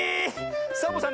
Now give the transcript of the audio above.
サボさん